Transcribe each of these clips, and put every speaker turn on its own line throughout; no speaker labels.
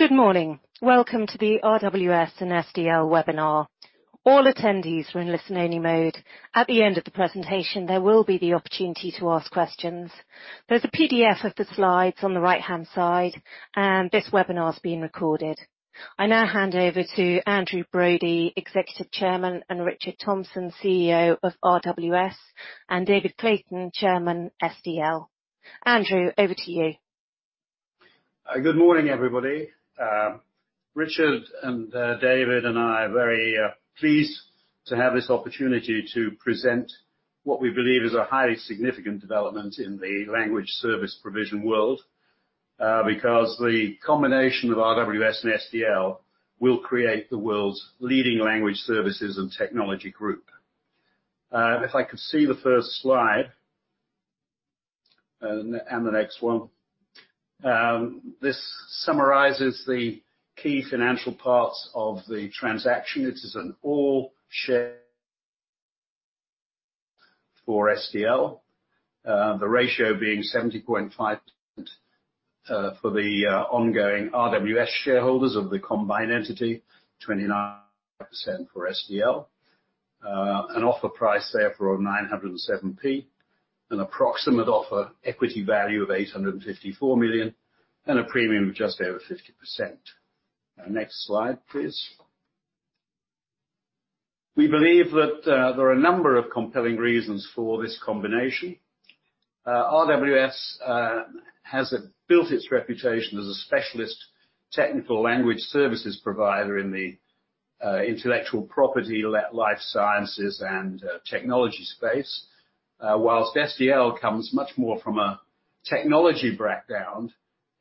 Good morning. Welcome to the RWS and SDL webinar. All attendees are in listen-only mode. At the end of the presentation, there will be the opportunity to ask questions. There's a PDF of the slides on the right-hand side, and this webinar is being recorded. I now hand over to Andrew Brode, Executive Chairman, and Richard Thompson, CEO of RWS, and David Clayton, Chairman, SDL. Andrew, over to you.
Good morning, everybody. Richard and David and I are very pleased to have this opportunity to present what we believe is a highly significant development in the language service provision world, because the combination of RWS and SDL will create the world's leading language services and technology group. If I could see the first slide, and the next one. This summarizes the key financial parts of the transaction. It is an all-share for SDL. The ratio being 70.5% for the ongoing RWS shareholders of the combined entity, 29% for SDL. An offer price, therefore, of 907 pence, an approximate offer equity value of 854 million, and a premium of just over 50%. Next slide, please. We believe that there are a number of compelling reasons for this combination. RWS has built its reputation as a specialist technical language services provider in the intellectual property, life sciences, and technology space. Whilst SDL comes much more from a technology background,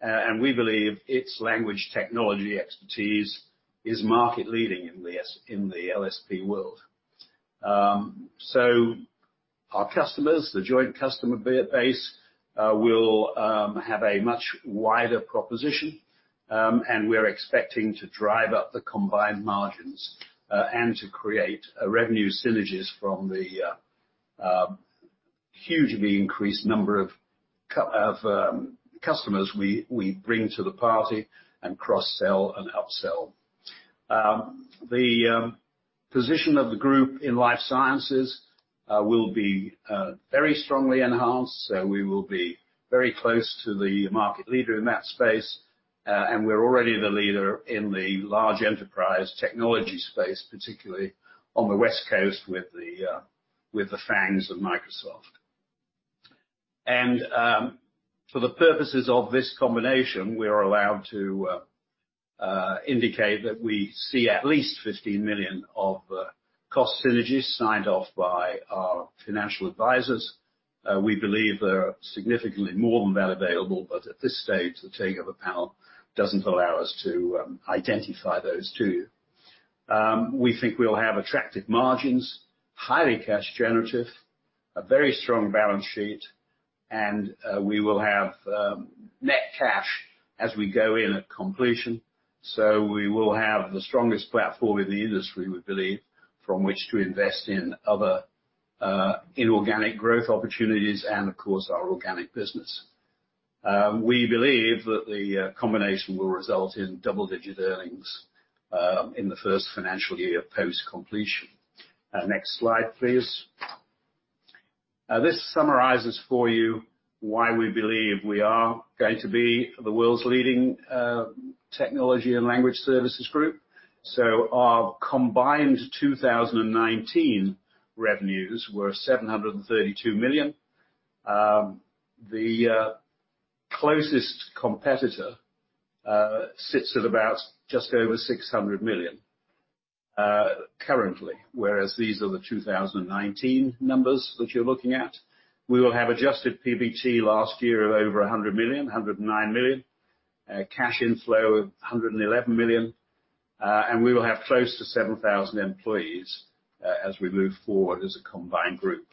and we believe its language technology expertise is market leading in the LSP world. Our customers, the joint customer base, will have a much wider proposition, and we're expecting to drive up the combined margins, and to create revenue synergies from the hugely increased number of customers we bring to the party and cross-sell and upsell. The position of the group in life sciences will be very strongly enhanced. We will be very close to the market leader in that space. We're already the leader in the large enterprise technology space, particularly on the West Coast with the FAANGs of Microsoft. For the purposes of this combination, we are allowed to indicate that we see at least 15 million of cost synergies signed off by our financial advisors. We believe there are significantly more than that available. At this stage, the Takeover Panel doesn't allow us to identify those to you. We think we'll have attractive margins, highly cash generative, a very strong balance sheet, and we will have net cash as we go in at completion. We will have the strongest platform in the industry, we believe, from which to invest in other inorganic growth opportunities and of course, our organic business. We believe that the combination will result in double-digit earnings in the first financial year post-completion. Next slide, please. This summarizes for you why we believe we are going to be the world's leading technology and language services group. Our combined 2019 revenues were 732 million. The closest competitor sits at about just over 600 million currently, whereas these are the 2019 numbers that you're looking at. We will have adjusted PBT last year of over 100 million, 109 million. Cash inflow of 111 million. We will have close to 7,000 employees as we move forward as a combined group.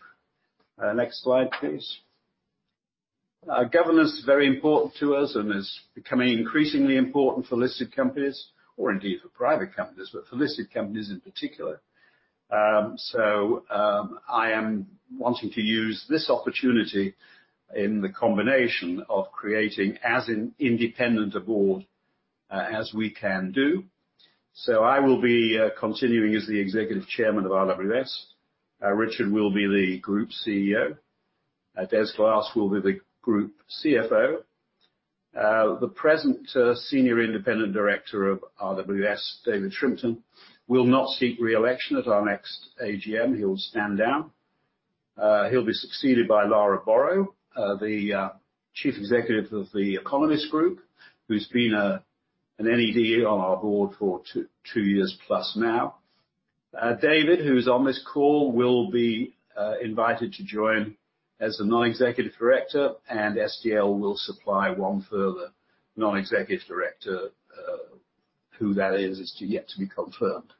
Next slide, please. Governance is very important to us and is becoming increasingly important for listed companies, or indeed for private companies. For listed companies in particular. I am wanting to use this opportunity in the combination of creating as an independent board as we can do. I will be continuing as the Executive Chairman of RWS. Richard will be the group CEO. Des Glass will be the group CFO. The present Senior Independent Director of RWS, David Shrimpton, will not seek re-election at our next AGM. He will stand down. He'll be succeeded by Lara Boro, the Chief Executive of The Economist Group, who's been an NED on our board for two years plus now. David, who is on this call, will be invited to join as a non-executive director, and SDL will supply one further non-executive director. Who that is yet to be confirmed.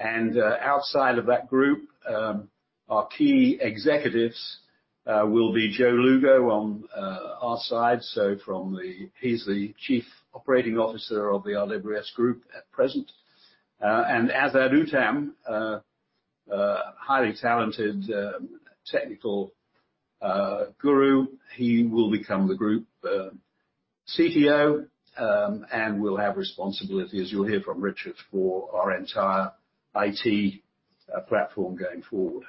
Outside of that group, our key executives will be Joe Lugo on our side. He's the Chief Operating Officer of the RWS Group at present. Azad Ootam, a highly talented technical guru. He will become the group CTO, and will have responsibility, as you'll hear from Richard, for our entire IT platform going forward.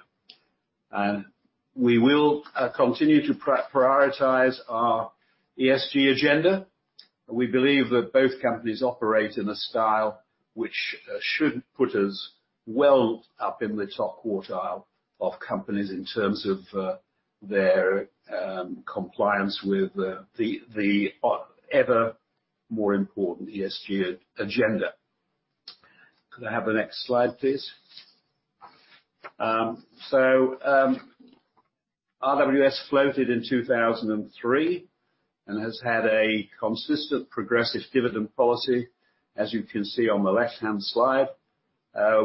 We will continue to prioritize our ESG agenda, and we believe that both companies operate in a style which should put us well up in the top quartile of companies in terms of their compliance with the ever more important ESG agenda. Could I have the next slide, please? RWS floated in 2003 and has had a consistent progressive dividend policy, as you can see on the left-hand slide.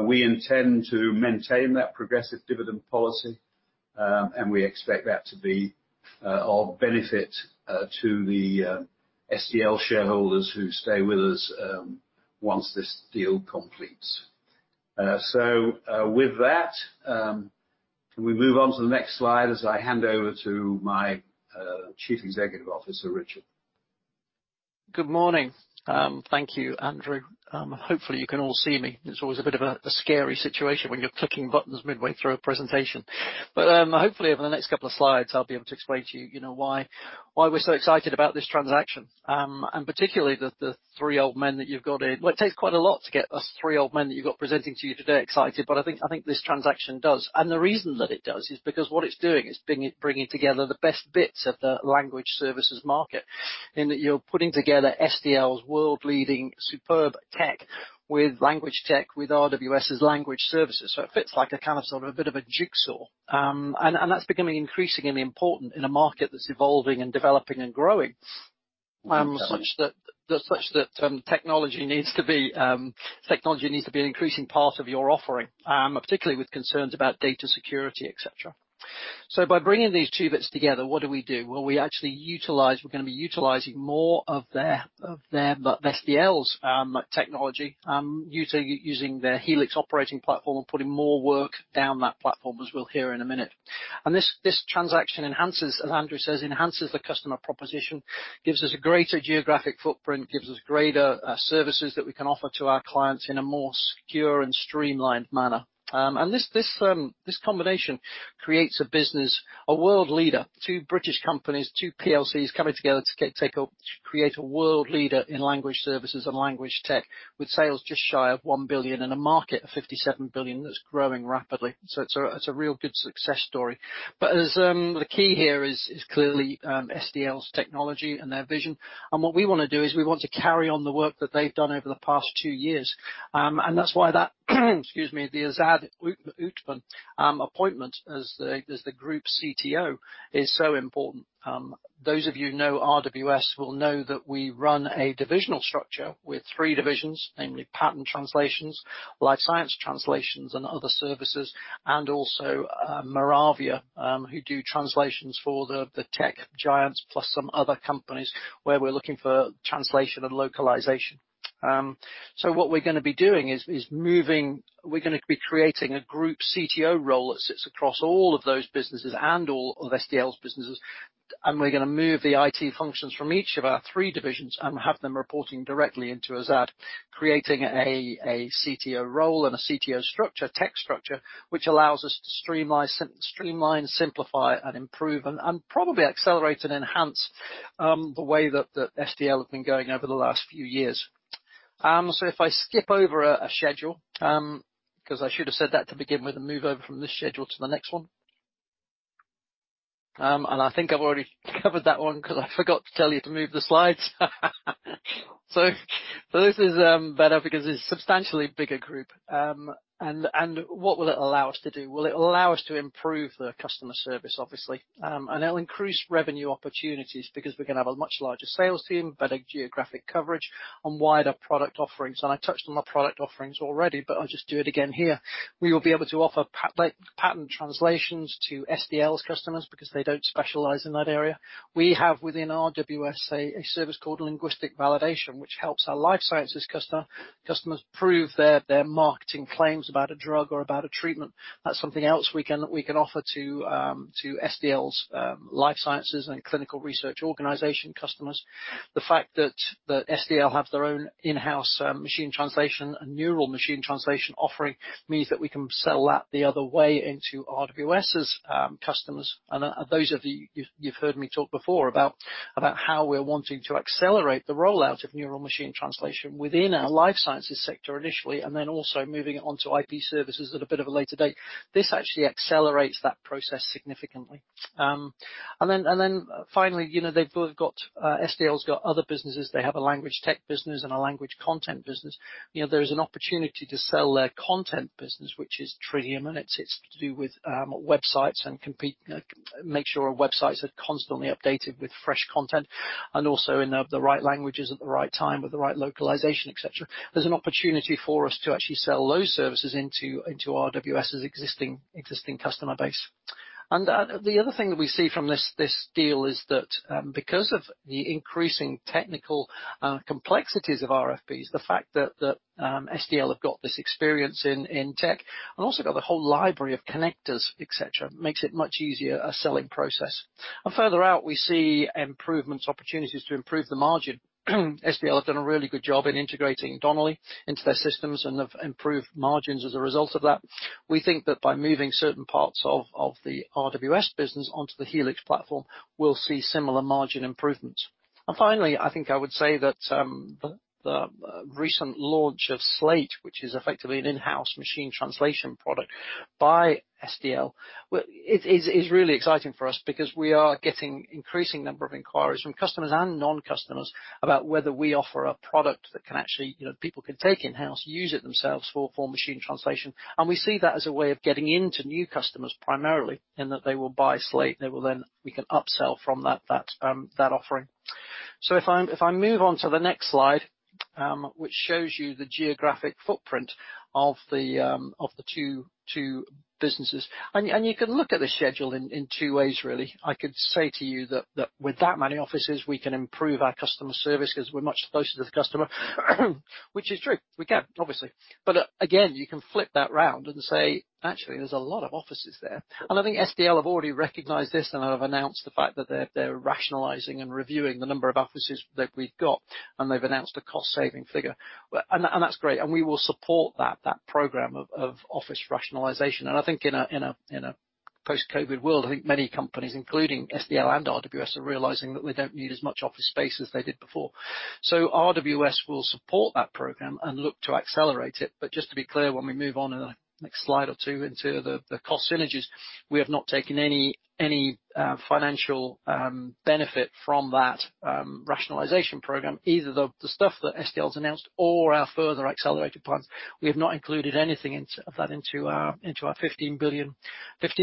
We intend to maintain that progressive dividend policy, and we expect that to be of benefit to the SDL shareholders who stay with us once this deal completes. With that, can we move on to the next slide as I hand over to my Chief Executive Officer, Richard.
Good morning. Thank you, Andrew. Hopefully you can all see me. It's always a bit of a scary situation when you're clicking buttons midway through a presentation. Hopefully over the next couple of slides, I'll be able to explain to you why we're so excited about this transaction, and particularly the three old men that you've got in. Well, it takes quite a lot to get us three old men that you've got presenting to you today excited, but I think this transaction does. The reason that it does is because what it's doing is bringing together the best bits of the language services market in that you're putting together SDL's world-leading superb tech with language tech with RWS's language services. It fits like a kind of sort of a bit of a jigsaw. That's becoming increasingly important in a market that's evolving and developing and growing such that technology needs to be an increasing part of your offering, particularly with concerns about data security, et cetera. By bringing these two bits together, what do we do? We're going to be utilizing more of SDL's technology, using their Helix operating platform and putting more work down that platform, as we'll hear in a minute. This transaction, as Andrew says, enhances the customer proposition, gives us a greater geographic footprint, gives us greater services that we can offer to our clients in a more secure and streamlined manner. This combination creates a business, a world leader, two British companies, two PLCs coming together to create a world leader in language services and language tech, with sales just shy of 1 billion in a market of 57 billion that's growing rapidly. It's a real good success story. The key here is clearly SDL's technology and their vision. What we want to do is we want to carry on the work that they've done over the past two years. That's why that excuse me, the Azad Ootam appointment as the group CTO is so important. Those of you who know RWS will know that we run a divisional structure with three divisions, namely patent translations, life science translations, and other services, and also Moravia, who do translations for the tech giants, plus some other companies where we're looking for translation and localization. What we're going to be doing is we're going to be creating a group CTO role that sits across all of those businesses and all of SDL's businesses, and we're going to move the IT functions from each of our three divisions and have them reporting directly into Azad, creating a CTO role and a CTO structure, tech structure, which allows us to streamline, simplify and improve, and probably accelerate and enhance the way that SDL has been going over the last few years. If I skip over a schedule, because I should have said that to begin with, and move over from this schedule to the next one. I think I've already covered that one because I forgot to tell you to move the slides. This is better because it's a substantially bigger group. What will it allow us to do? Well, it will allow us to improve the customer service, obviously, it'll increase revenue opportunities because we're going to have a much larger sales team, better geographic coverage, and wider product offerings. I touched on the product offerings already, I'll just do it again here. We will be able to offer patent translations to SDL's customers because they don't specialize in that area. We have within RWS a service called Linguistic Validation, which helps our life sciences customers prove their marketing claims about a drug or about a treatment. That's something else we can offer to SDL's life sciences and clinical research organization customers. The fact that SDL have their own in-house machine translation and neural machine translation offering means that we can sell that the other way into RWS's customers. Those of you've heard me talk before about how we're wanting to accelerate the rollout of neural machine translation within our life sciences sector initially, and then also moving it on to IP services at a bit of a later date. This actually accelerates that process significantly. Finally, SDL's got other businesses. They have a language tech business and a language content business. There's an opportunity to sell their content business, which is Tridion, and it's to do with websites and make sure our websites are constantly updated with fresh content and also in the right languages at the right time with the right localization, et cetera. There's an opportunity for us to actually sell those services into RWS's existing customer base. The other thing that we see from this deal is that because of the increasing technical complexities of RFPs, the fact that SDL have got this experience in tech and also got the whole library of connectors, et cetera, makes it much easier a selling process. Further out, we see improvements, opportunities to improve the margin. SDL have done a really good job in integrating Donnelley into their systems and have improved margins as a result of that. We think that by moving certain parts of the RWS business onto the Helix platform, we'll see similar margin improvements. Finally, I think I would say that the recent launch of SLATE, which is effectively an in-house machine translation product by SDL, is really exciting for us because we are getting increasing number of inquiries from customers and non-customers about whether we offer a product that people can take in-house, use it themselves for machine translation. We see that as a way of getting into new customers, primarily, in that they will buy SLATE, and we can upsell from that offering. If I move on to the next slide, which shows you the geographic footprint of the two businesses. You can look at the schedule in two ways, really. I could say to you that with that many offices, we can improve our customer service because we're much closer to the customer, which is true. We can, obviously. Again, you can flip that around and say, "Actually, there's a lot of offices there." I think SDL have already recognized this and have announced the fact that they're rationalizing and reviewing the number of offices that we've got, and they've announced a cost-saving figure. That's great, and we will support that program of office rationalization. I think in a post-COVID world, I think many companies, including SDL and RWS, are realizing that they don't need as much office space as they did before. RWS will support that program and look to accelerate it. Just to be clear, when we move on in the next slide or two into the cost synergies, we have not taken any financial benefit from that rationalization program, either the stuff that SDL has announced or our further accelerated plans. We have not included anything of that into our 15 million cost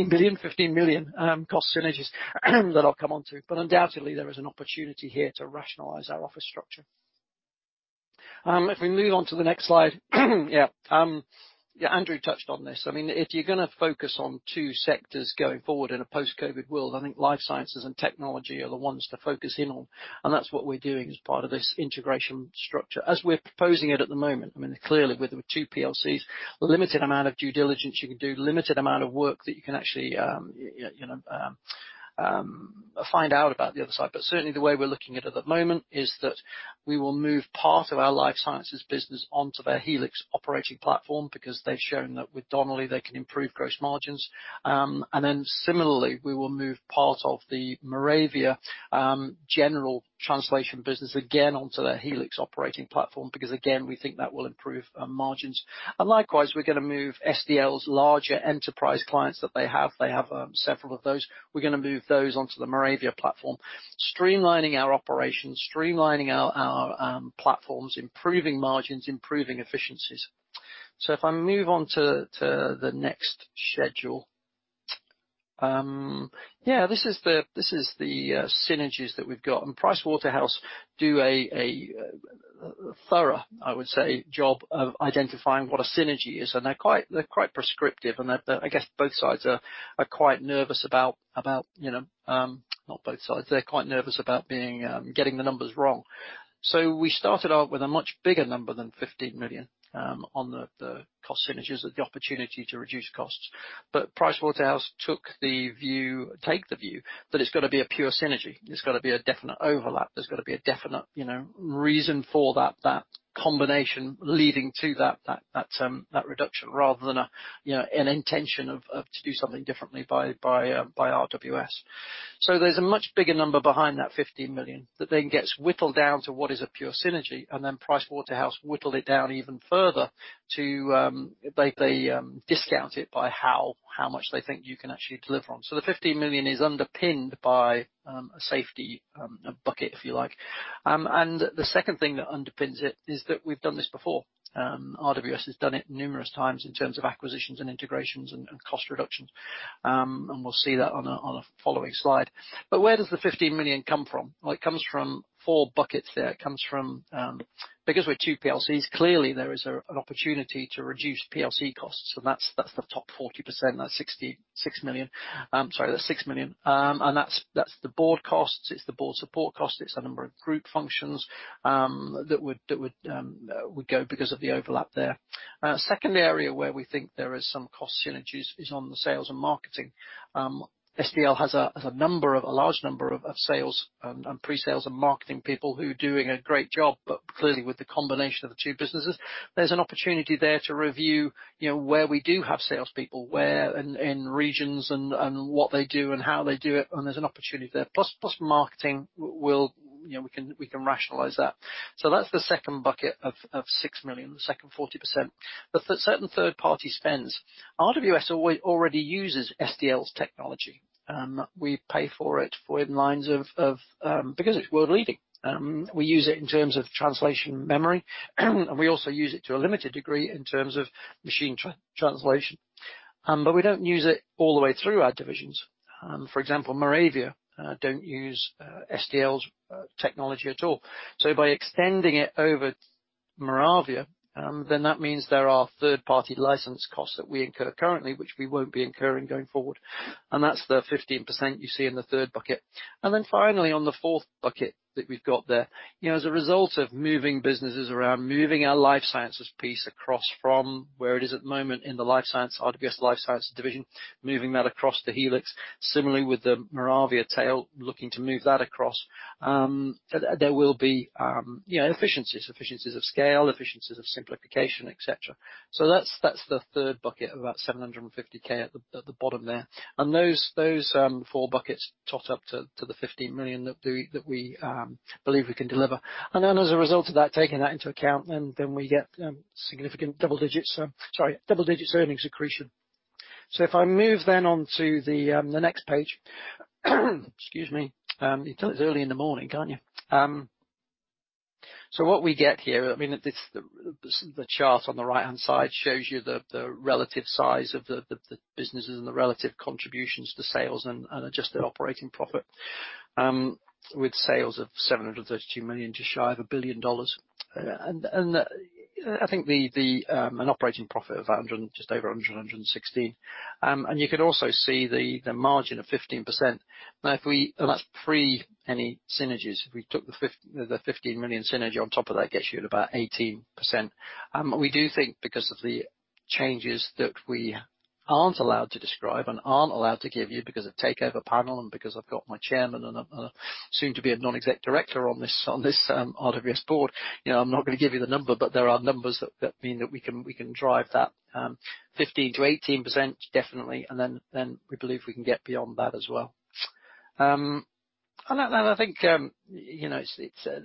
synergies that I'll come onto. Undoubtedly, there is an opportunity here to rationalize our office structure. If we move on to the next slide. Yeah. Andrew touched on this. If you're going to focus on two sectors going forward in a post-COVID world, I think life sciences and technology are the ones to focus in on. That's what we're doing as part of this integration structure. As we're proposing it at the moment, clearly, with the two PLCs, limited amount of due diligence you can do, limited amount of work that you can actually find out about the other side. Certainly, the way we're looking at it at the moment is that we will move part of our life sciences business onto their Helix operating platform because they've shown that with Donnelley, they can improve gross margins. Similarly, we will move part of the Moravia general translation business again onto their Helix operating platform, because again, we think that will improve margins. Likewise, we're going to move SDL's larger enterprise clients that they have, they have several of those. We're going to move those onto the Moravia platform, streamlining our operations, streamlining our platforms, improving margins, improving efficiencies. If I move on to the next schedule. Yeah, this is the synergies that we've got. Pricewaterhouse do a thorough, I would say, job of identifying what a synergy is, and they're quite prescriptive, and I guess both sides are quite nervous about getting the numbers wrong. We started out with a much bigger number than 15 million on the cost synergies or the opportunity to reduce costs. Pricewaterhouse take the view that it's got to be a pure synergy. There's got to be a definite overlap. There's got to be a definite reason for that combination leading to that reduction rather than an intention to do something differently by RWS. There's a much bigger number behind that 15 million that then gets whittled down to what is a pure synergy, and then Pricewaterhouse whittled it down even further. They discount it by how much they think you can actually deliver on. The 15 million is underpinned by a safety bucket, if you like. The second thing that underpins it is that we've done this before. RWS has done it numerous times in terms of acquisitions and integrations and cost reductions. We'll see that on the following slide. Where does the 15 million come from? It comes from four buckets there. Because we're two PLCs, clearly, there is an opportunity to reduce PLC costs, and that's the top 40%, that 6 million. That's the board costs, it's the board support cost, it's a number of group functions that would go because of the overlap there. Second area where we think there is some cost synergies is on the sales and marketing. SDL has a large number of sales and pre-sales and marketing people who are doing a great job. Clearly, with the combination of the two businesses, there's an opportunity there to review where we do have salespeople, where in regions and what they do and how they do it, and there's an opportunity there. Plus, marketing, we can rationalize that. That's the second bucket of 6 million, the second 40%. The certain third-party spends. RWS already uses SDL's technology. We pay for it because it's world-leading. We use it in terms of translation memory, and we also use it to a limited degree in terms of machine translation. We don't use it all the way through our divisions. For example, Moravia don't use SDL's technology at all. By extending it over Moravia, that means there are third-party license costs that we incur currently, which we won't be incurring going forward. That's the 15% you see in the third bucket. Finally, on the fourth bucket that we've got there. As a result of moving businesses around, moving our life sciences piece across from where it is at the moment in the RWS Life Science division, moving that across to Helix. Similarly with the Moravia tail, looking to move that across. There will be efficiencies. Efficiencies of scale, efficiencies of simplification, et cetera. That's the third bucket of about 750K at the bottom there. Those four buckets tot up to the 15 million that we believe we can deliver. As a result of that, taking that into account, we get significant double digits. Sorry, double-digit earnings accretion. If I move then on to the next page. Excuse me. You can tell it's early in the morning, can't you? What we get here, the chart on the right-hand side shows you the relative size of the businesses and the relative contributions to sales and adjusted operating profit, with sales of 732 million, just shy of $1 billion. I think an operating profit of just over 116. You can also see the margin of 15%. That's pre any synergies. If we took the 15 million synergy on top of that, gets you at about 18%. We do think because of the changes that we aren't allowed to describe and aren't allowed to give you because of Takeover Panel and because I've got my chairman and soon to be a non-exec director on this RWS board, I'm not going to give you the number, but there are numbers that mean that we can drive that 15%-18%, definitely, and then we believe we can get beyond that as well. I think,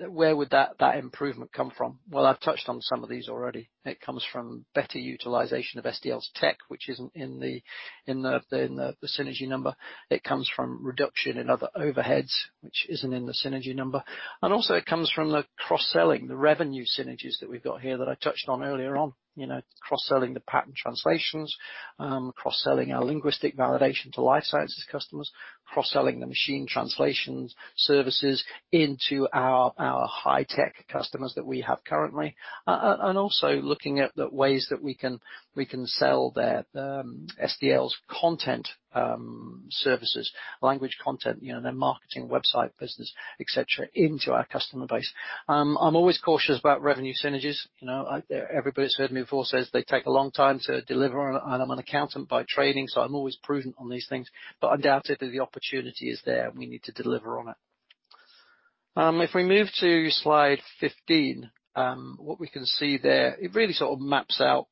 where would that improvement come from? Well, I've touched on some of these already. It comes from better utilization of SDL's tech, which isn't in the synergy number. It comes from reduction in other overheads, which isn't in the synergy number. Also it comes from the cross-selling, the revenue synergies that we've got here that I touched on earlier on. Cross-selling the patent translations, cross-selling our linguistic validation to life sciences customers, cross-selling the machine translation services into our high-tech customers that we have currently. Also looking at the ways that we can sell their SDL's content services, language content, their marketing website business, et cetera, into our customer base. I'm always cautious about revenue synergies. Everybody's heard me before says they take a long time to deliver, and I'm an accountant by training, so I'm always prudent on these things. Undoubtedly, the opportunity is there, and we need to deliver on it. If we move to slide 15, what we can see there, it really sort of maps out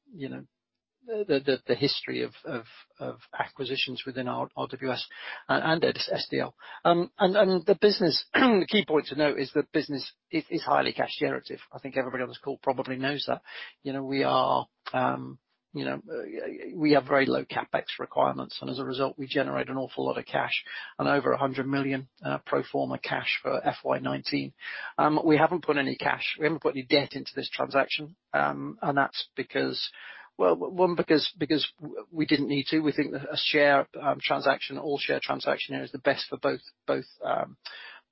the history of acquisitions within RWS and SDL. The business, the key point to note is that business is highly cash generative. I think everybody on this call probably knows that. We have very low CapEx requirements. As a result, we generate an awful lot of cash and over 100 million pro forma cash for FY 2019. We haven't put any debt into this transaction. That's because, well, one, because we didn't need to. We think that a share transaction, all share transaction is the best for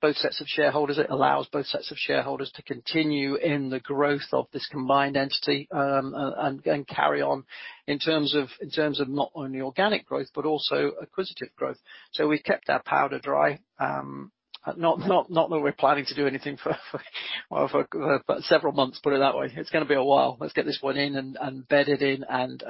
both sets of shareholders. It allows both sets of shareholders to continue in the growth of this combined entity, carry on in terms of not only organic growth but also acquisitive growth. We kept our powder dry. Not that we're planning to do anything for several months, put it that way. It's going to be a while. Let's get this one in and bed it in and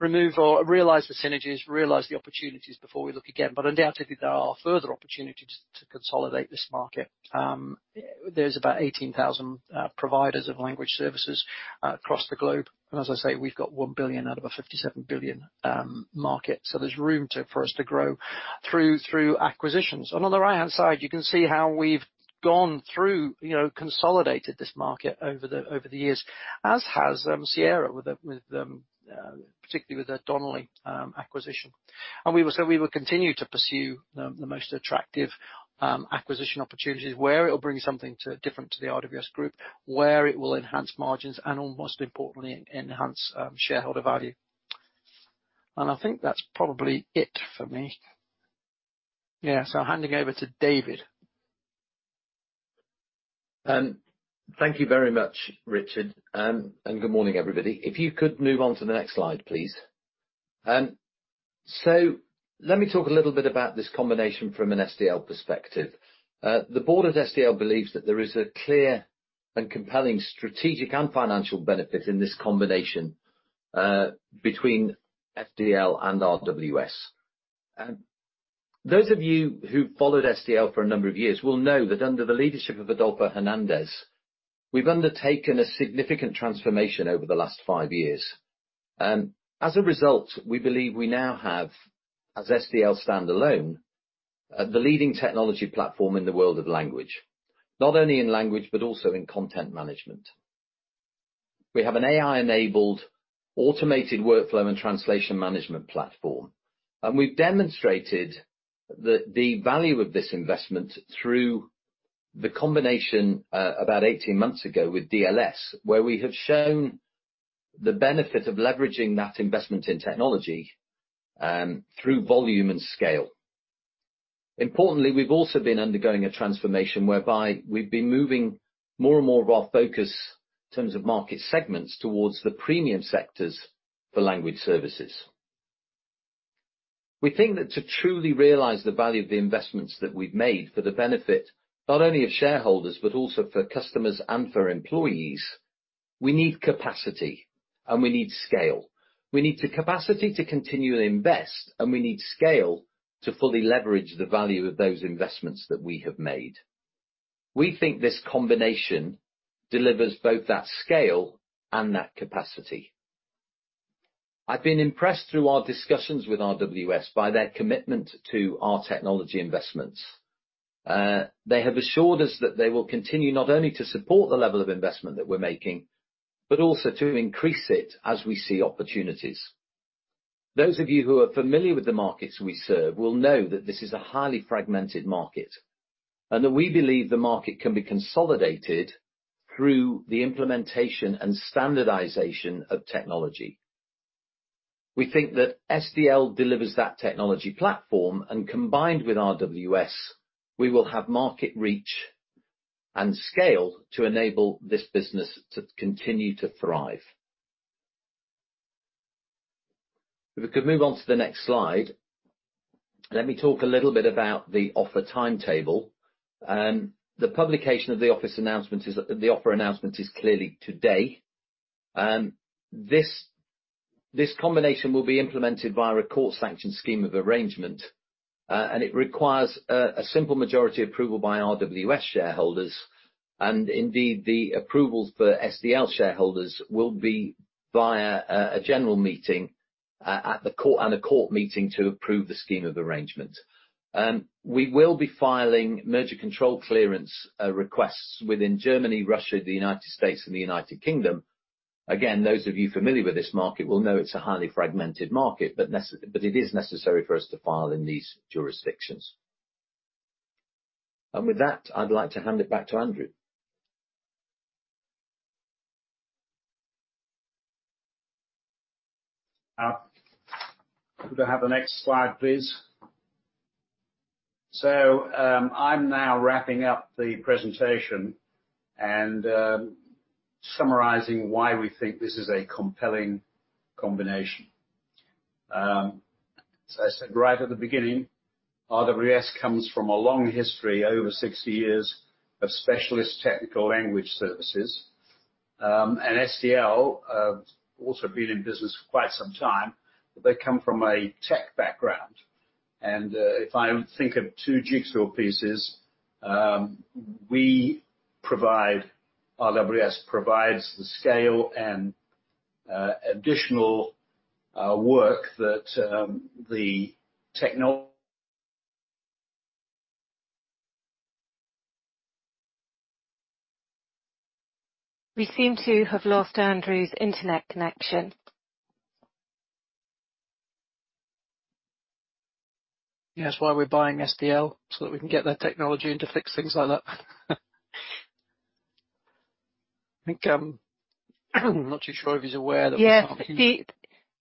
realize the synergies, realize the opportunities before we look again. Undoubtedly, there are further opportunities to consolidate this market. There's about 18,000 providers of language services across the globe. As I say, we've got 1 billion out of a 57 billion market. There's room for us to grow through acquisitions. On the right-hand side, you can see how we've gone through, consolidated this market over the years, as has some share, particularly with the Donnelley acquisition. We will continue to pursue the most attractive acquisition opportunities where it will bring something different to the RWS Group, where it will enhance margins and most importantly, enhance shareholder value. I think that's probably it for me. Yeah. Handing over to David.
Thank you very much, Richard. Good morning, everybody. If you could move on to the next slide, please. Let me talk a little bit about this combination from an SDL perspective. The board of SDL believes that there is a clear and compelling strategic and financial benefit in this combination between SDL and RWS. Those of you who followed SDL for a number of years will know that under the leadership of Adolfo Hernandez, we've undertaken a significant transformation over the last five years. As a result, we believe we now have, as SDL standalone, the leading technology platform in the world of language, not only in language, but also in content management. We have an AI-enabled automated workflow and translation management platform, and we've demonstrated the value of this investment through the combination about 18 months ago with DLS, where we have shown the benefit of leveraging that investment in technology through volume and scale. Importantly, we've also been undergoing a transformation whereby we've been moving more and more of our focus in terms of market segments towards the premium sectors for language services. We think that to truly realize the value of the investments that we've made for the benefit not only of shareholders, but also for customers and for employees, we need capacity and we need scale. We need the capacity to continue to invest, and we need scale to fully leverage the value of those investments that we have made. We think this combination delivers both that scale and that capacity. I've been impressed through our discussions with RWS by their commitment to our technology investments. They have assured us that they will continue not only to support the level of investment that we're making, but also to increase it as we see opportunities. Those of you who are familiar with the markets we serve will know that this is a highly fragmented market, and that we believe the market can be consolidated through the implementation and standardization of technology. We think that SDL delivers that technology platform, and combined with RWS, we will have market reach and scale to enable this business to continue to thrive. If we could move on to the next slide, let me talk a little bit about the offer timetable. The publication of the offer announcement is clearly today. This combination will be implemented via a court-sanctioned scheme of arrangement, and it requires a simple majority approval by RWS shareholders. Indeed, the approvals for SDL shareholders will be via a general meeting and a court meeting to approve the scheme of arrangement. We will be filing merger control clearance requests within Germany, Russia, the U.S., and the U.K. Again, those of you familiar with this market will know it's a highly fragmented market, but it is necessary for us to file in these jurisdictions. With that, I'd like to hand it back to Andrew.
Could I have the next slide, please? I'm now wrapping up the presentation and summarizing why we think this is a compelling combination. As I said right at the beginning, RWS comes from a long history, over 60 years, of specialist technical language services. SDL also been in business for quite some time. They come from a tech background. If I think of two jigsaw pieces, RWS provides the scale and additional work that the techno-
We seem to have lost Andrew's internet connection.
Yes. Why we're buying SDL so that we can get their technology in to fix things like that. I think I'm not too sure if he's aware that we can't hear-
Yes.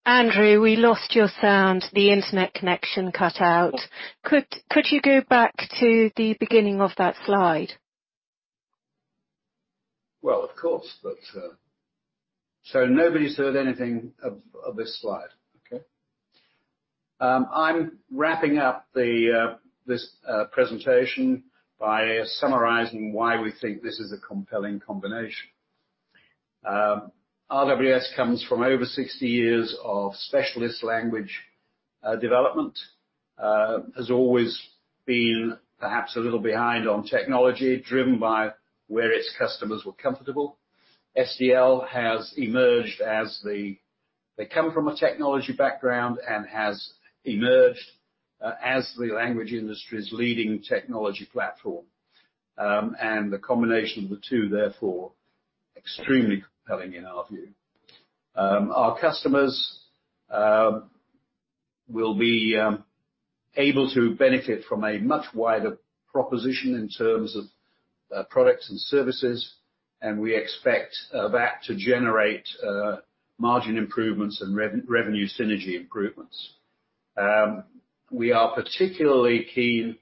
Andrew, we lost your sound. The internet connection cut out. Could you go back to the beginning of that slide?
Well, of course. Nobody's heard anything of this slide? Okay. I'm wrapping up this presentation by summarizing why we think this is a compelling combination. RWS comes from over 60 years of specialist language development. Has always been perhaps a little behind on technology, driven by where its customers were comfortable. SDL has emerged. They come from a technology background and has emerged as the language industry's leading technology platform. The combination of the two, therefore, extremely compelling in our view. Our customers will be able to benefit from a much wider proposition in terms of products and services, and we expect that to generate margin improvements and revenue synergy improvements. We are particularly keen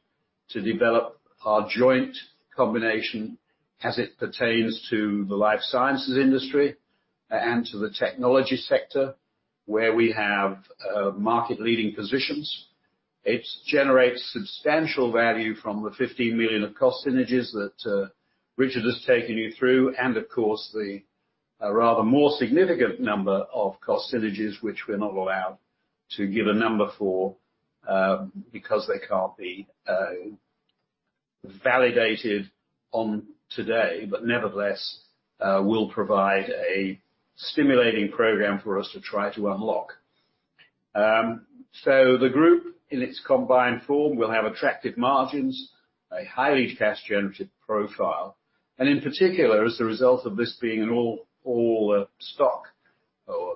to develop our joint combination as it pertains to the life sciences industry and to the technology sector where we have market leading positions. It generates substantial value from the 15 million of cost synergies that Richard has taken you through, and of course, the rather more significant number of cost synergies which we're not allowed to give a number for because they can't be validated on today, but nevertheless, will provide a stimulating program for us to try to unlock. The group, in its combined form, will have attractive margins, a highly cash generative profile, and in particular, as the result of this being an all stock or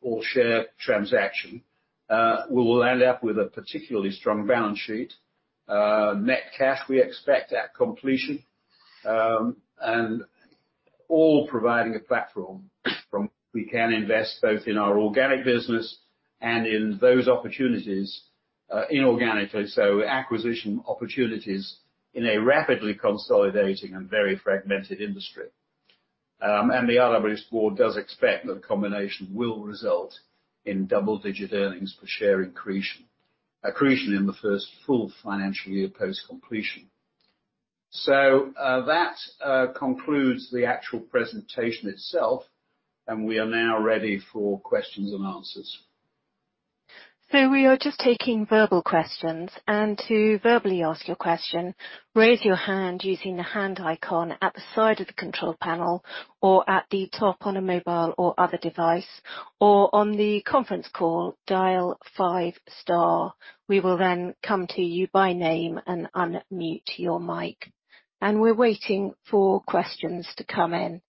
all share transaction, we will end up with a particularly strong balance sheet. Net cash we expect at completion. All providing a platform from we can invest both in our organic business and in those opportunities inorganically. Acquisition opportunities in a rapidly consolidating and very fragmented industry. The RWS board does expect that the combination will result in double-digit earnings per share accretion in the first full financial year post-completion. That concludes the actual presentation itself, and we are now ready for questions and answers.
We are just taking verbal questions. To verbally ask your question, raise your hand using the hand icon at the side of the control panel or at the top on a mobile or other device, or on the conference call, dial five star. We will then come to you by name and unmute your mic. We're waiting for questions to come in.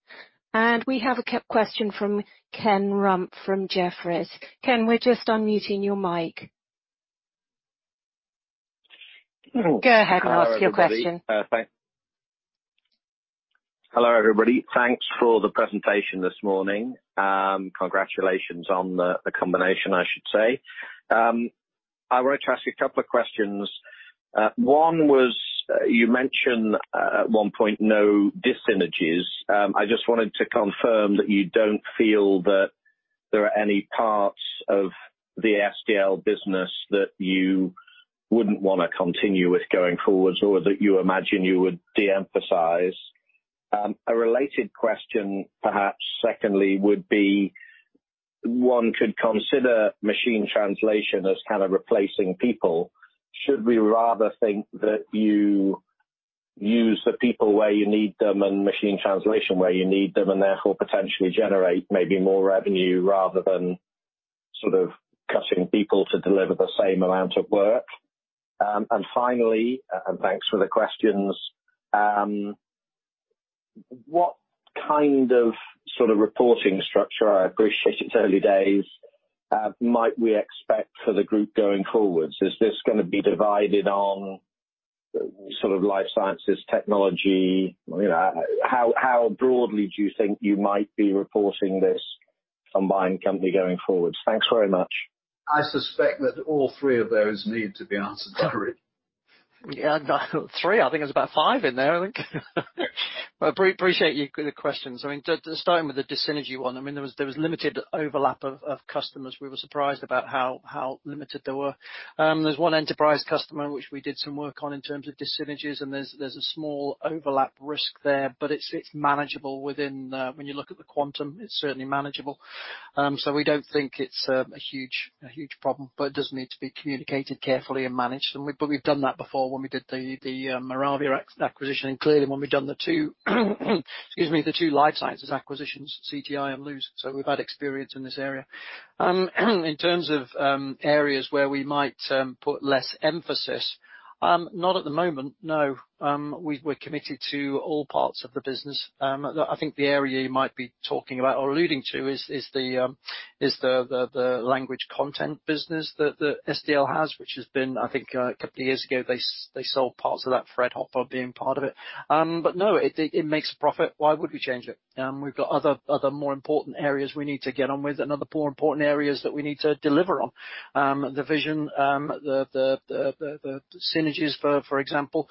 We have a question from Ken Rumph from Jefferies. Ken, we're just unmuting your mic. Go ahead and ask your question.
Hello, everybody. Thanks for the presentation this morning. Congratulations on the combination, I should say. I wanted to ask you a couple of questions. One was, you mentioned at one point no dis-synergies. I just wanted to confirm that you don't feel that there are any parts of the SDL business that you wouldn't want to continue with going forwards or that you imagine you would de-emphasize. A related question, perhaps secondly, would be, one could consider machine translation as kind of replacing people. Should we rather think that you use the people where you need them and machine translation where you need them, and therefore potentially generate maybe more revenue rather than sort of cutting people to deliver the same amount of work? Finally, and thanks for the questions, what kind of sort of reporting structure, I appreciate it's early days, might we expect for the group going forwards? Is this going to be divided on sort of life sciences, technology? How broadly do you think you might be reporting this combined company going forwards? Thanks very much.
I suspect that all three of those need to be answered by Rick.
Yeah. Three? I think there was about five in there, I think. Well, appreciate the questions. Starting with the dis-synergy one, there was limited overlap of customers. We were surprised about how limited they were. There was one enterprise customer which we did some work on in terms of dis-synergies, and there's a small overlap risk there, but it's manageable. When you look at the quantum, it's certainly manageable. We don't think it's a huge problem, but it does need to be communicated carefully and managed. We've done that before when we did the Moravia acquisition, and clearly when we've done the two life sciences acquisitions, CTI and LUZ. We've had experience in this area. In terms of areas where we might put less emphasis, not at the moment, no. We're committed to all parts of the business. I think the area you might be talking about or alluding to is the language content business that SDL has, which has been, I think a couple of years ago, they sold parts of that, Fredhopper being part of it. No, it makes a profit. Why would we change it? We've got other more important areas we need to get on with and other more important areas that we need to deliver on. The vision, the synergies, for example,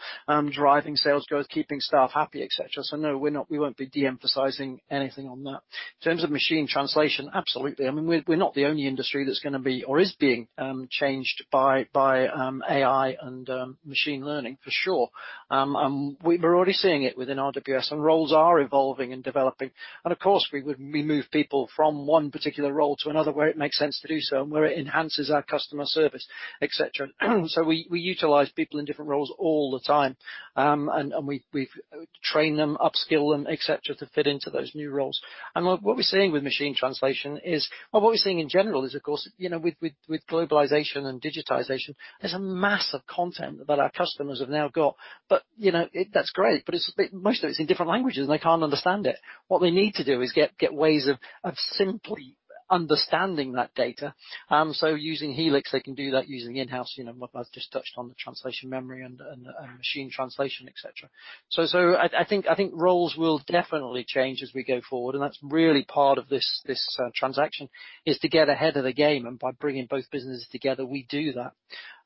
driving sales growth, keeping staff happy, et cetera. No, we won't be de-emphasizing anything on that. In terms of machine translation, absolutely. We're not the only industry that's going to be or is being changed by AI and machine learning, for sure. We're already seeing it within RWS, and roles are evolving and developing. Of course, we move people from one particular role to another where it makes sense to do so and where it enhances our customer service, et cetera. We utilize people in different roles all the time. We train them, upskill them, et cetera, to fit into those new roles. What we're seeing with machine translation is Well, what we're seeing in general is, of course, with globalization and digitization, there's a mass of content that our customers have now got. That's great, but most of it is in different languages and they can't understand it. What they need to do is get ways of simply understanding that data. Using Helix, they can do that using in-house, what I just touched on, the translation memory and the machine translation, et cetera. I think roles will definitely change as we go forward, and that's really part of this transaction, is to get ahead of the game, and by bringing both businesses together, we do that.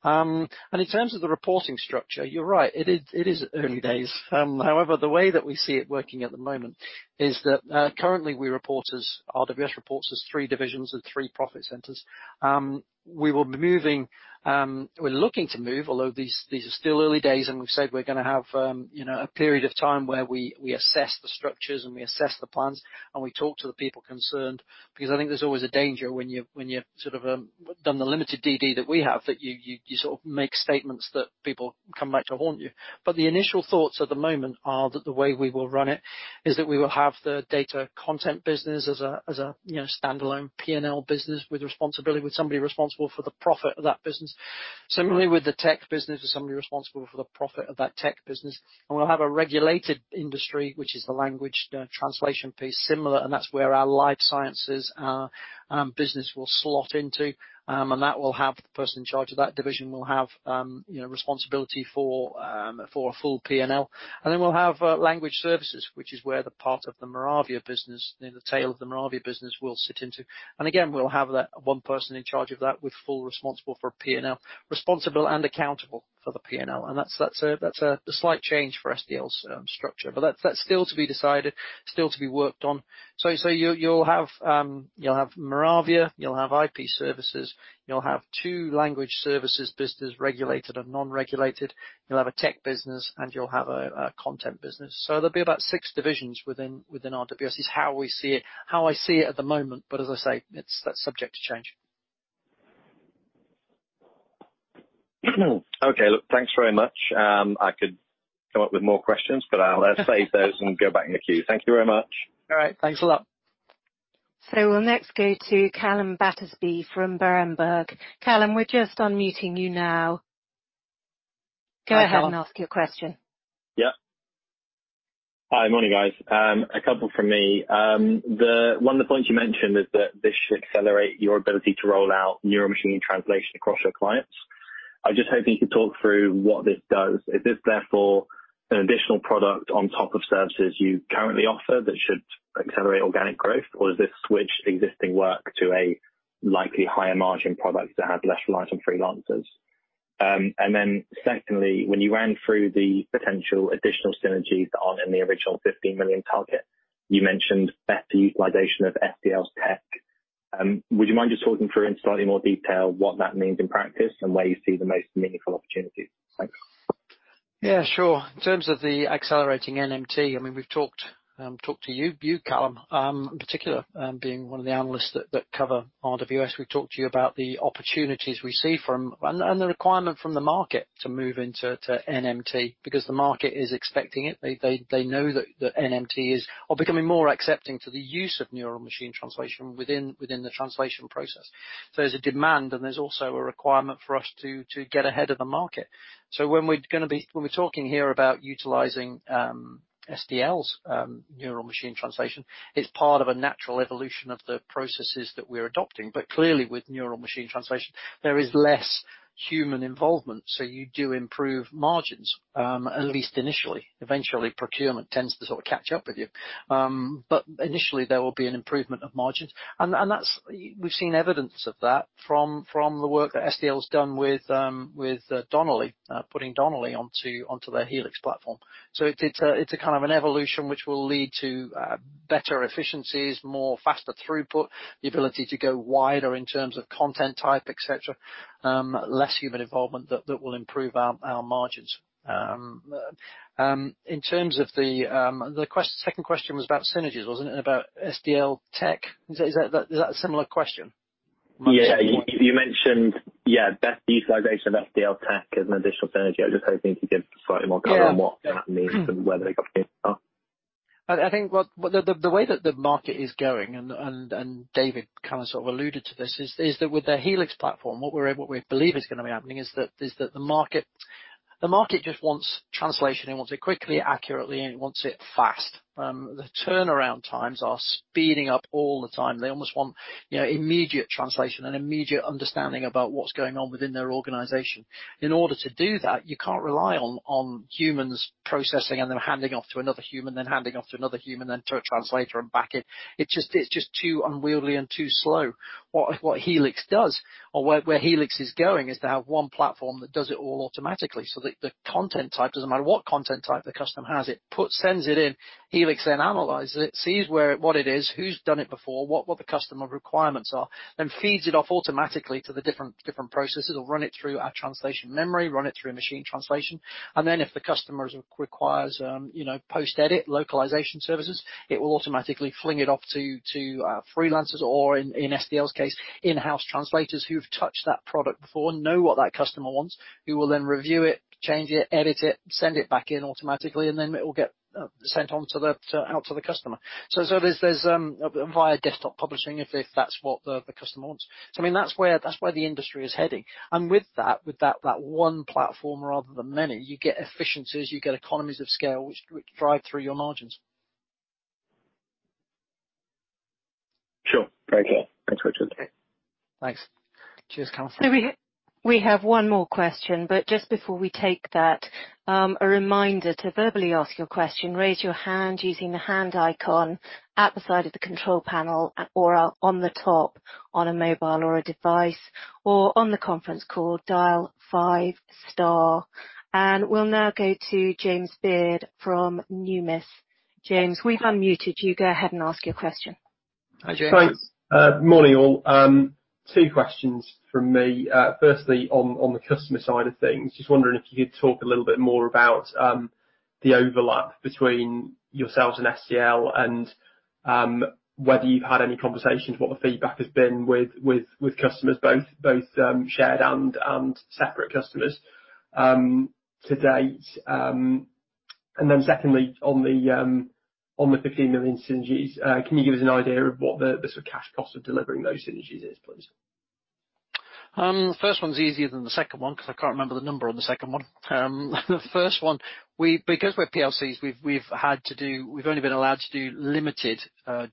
In terms of the reporting structure, you're right, it is early days. However, the way that we see it working at the moment is that currently RWS reports as three divisions and three profit centers. We're looking to move, although these are still early days, and we've said we're going to have a period of time where we assess the structures and we assess the plans and we talk to the people concerned, because I think there's always a danger when you've done the limited DD that we have, that you sort of make statements that people come back to haunt you. The initial thoughts at the moment are that the way we will run it is that we will have the data content business as a standalone P&L business with somebody responsible for the profit of that business. Similarly with the tech business, there's somebody responsible for the profit of that tech business. We'll have a regulated industry, which is the language translation piece, similar, and that's where our life sciences business will slot into. The person in charge of that division will have responsibility for a full P&L. Then we'll have language services, which is where the part of the Moravia business, the tail of the Moravia business, will sit into. Again, we'll have one person in charge of that with full responsible for P&L. Responsible and accountable for the P&L, and that's a slight change for SDL's structure. That's still to be decided, still to be worked on. You'll have Moravia, you'll have IP services, you'll have two language services business, regulated and non-regulated. You'll have a tech business and you'll have a content business. There'll be about six divisions within RWS, is how we see it, how I see it at the moment. As I say, that's subject to change.
Okay. Look, thanks very much. I could come up with more questions, but I'll save those and go back in the queue. Thank you very much.
All right. Thanks a lot.
We'll next go to Calum Battersby from Berenberg. Calum, we're just unmuting you now. Go ahead and ask your question.
Yeah. Hi, morning, guys. A couple from me. One of the points you mentioned is that this should accelerate your ability to roll out neural machine translation across your clients. I was just hoping you could talk through what this does. Is this therefore an additional product on top of services you currently offer that should accelerate organic growth? Does this switch existing work to a likely higher margin product that had less reliance on freelancers? Secondly, when you ran through the potential additional synergies that aren't in the original 15 million target, you mentioned better utilization of SDL's tech. Would you mind just talking through in slightly more detail what that means in practice and where you see the most meaningful opportunities? Thanks.
Sure. In terms of the accelerating NMT, we've talked to you, Calum, in particular, being one of the analysts that cover RWS. We've talked to you about the opportunities we see from, and the requirement from the market to move into NMT because the market is expecting it. They know that NMT is or becoming more accepting to the use of neural machine translation within the translation process. There's a demand, and there's also a requirement for us to get ahead of the market. When we're talking here about utilizing SDL's neural machine translation, it's part of a natural evolution of the processes that we're adopting. Clearly, with neural machine translation, there is less human involvement. You do improve margins, at least initially. Eventually, procurement tends to sort of catch up with you. Initially, there will be an improvement of margins. We've seen evidence of that from the work that SDL has done with putting Donnelley onto their Helix platform. It's a kind of an evolution, which will lead to better efficiencies, more faster throughput, the ability to go wider in terms of content type, et cetera, less human involvement that will improve our margins. The second question was about synergies, wasn't it? About SDL tech? Is that a similar question?
Yeah. You mentioned, yeah, better utilization of SDL tech as an additional synergy. I'm just hoping to give slightly more color on what that means and where the opportunities are.
I think the way that the market is going, and David kind of sort of alluded to this, is that with the Helix platform, what we believe is going to be happening is that the market just wants translation. It wants it quickly, accurately, and it wants it fast. The turnaround times are speeding up all the time. They almost want immediate translation and immediate understanding about what's going on within their organization. In order to do that, you can't rely on humans processing and then handing off to another human, then handing off to another human, then to a translator and back in. It's just too unwieldy and too slow. What Helix does or where Helix is going is to have one platform that does it all automatically. That the content type, doesn't matter what content type the customer has, it sends it in, Helix then analyzes it, sees what it is, who's done it before, what the customer requirements are, then feeds it off automatically to the different processes. It'll run it through our translation memory, run it through a machine translation, and then if the customer requires post-edit localization services, it will automatically fling it off to freelancers or in SDL's case, in-house translators who've touched that product before, know what that customer wants, who will then review it, change it, edit it, send it back in automatically, and then it will get sent out to the customer via desktop publishing if that's what the customer wants. That's where the industry is heading. With that one platform rather than many, you get efficiencies, you get economies of scale, which drive through your margins.
Sure. Thank you. Thanks, Richard.
Thanks. Cheers, Calum.
We have one more question, but just before we take that, a reminder to verbally ask your question, raise your hand using the hand icon at the side of the control panel or on the top on a mobile or a device, or on the conference call, dial five star. We'll now go to James Beard from Numis. James, we've unmuted you. Go ahead and ask your question.
Hi, James.
Thanks. Morning, all. Two questions from me. Firstly, on the customer side of things, just wondering if you could talk a little bit more about the overlap between yourselves and SDL and whether you've had any conversations, what the feedback has been with customers, both shared and separate customers to date. Secondly, on the 15 million synergies, can you give us an idea of what the sort of cash cost of delivering those synergies is, please?
The first one is easier than the second one because I can't remember the number on the second one. The first one, because we're PLCs, we've only been allowed to do limited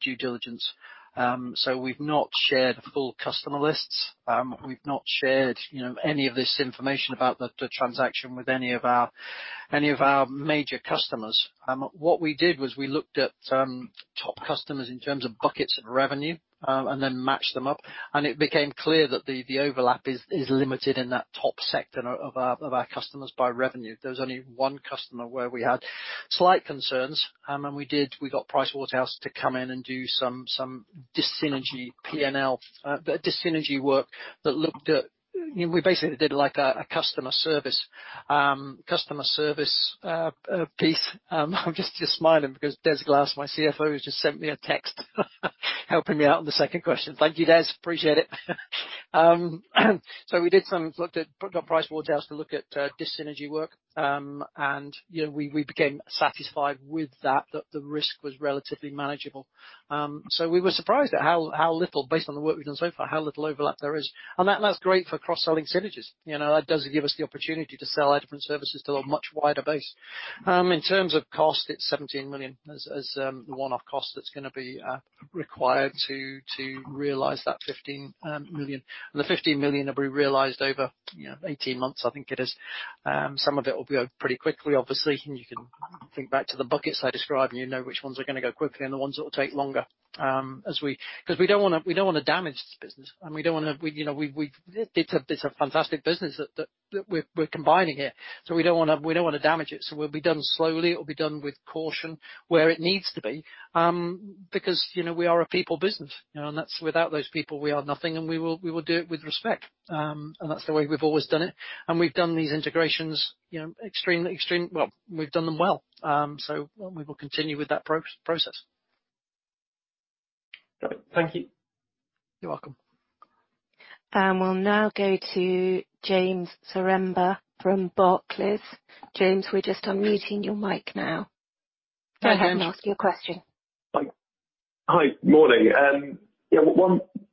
due diligence. We've not shared full customer lists. We've not shared any of this information about the transaction with any of our major customers. What we did was we looked at top customers in terms of buckets of revenue, and then matched them up, and it became clear that the overlap is limited in that top sector of our customers by revenue. There was only one customer where we had slight concerns, and we got Pricewaterhouse to come in and do some dis-synergy P&L. We basically did a customer service piece. I'm just smiling because Des Glass, my CFO, has just sent me a text helping me out on the second question. Thank you, Des. Appreciate it. We looked at Pricewaterhouse to look at dssynergy work, and we became satisfied with that the risk was relatively manageable. We were surprised at how little, based on the work we've done so far, how little overlap there is. That's great for cross-selling synergies. That does give us the opportunity to sell our different services to a much wider base. In terms of cost, it's 17 million as the one-off cost that's going to be required to realize that 15 million. The 15 million will be realized over 18 months, I think it is. Some of it will be out pretty quickly, obviously. You can think back to the buckets I described, and you know which ones are going to go quickly and the ones that will take longer. We don't want to damage this business. It's a fantastic business that we're combining here. We don't want to damage it. It will be done slowly, it will be done with caution where it needs to be, because we are a people business. Without those people, we are nothing, and we will do it with respect. That's the way we've always done it. We've done these integrations extremely well, we've done them well. We will continue with that process.
Thank you.
You're welcome.
We'll now go to James Zaremba from Barclays. James, we're just unmuting your mic now. Go ahead and ask your question.
Hi. Morning.